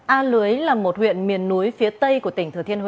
a lưới là một huyện miền núi phía tây của tỉnh thừa thiên huế